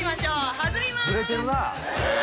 弾みます。